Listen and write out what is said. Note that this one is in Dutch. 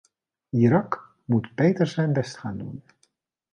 Irak moet beter zijn best gaan doen.